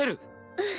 うん。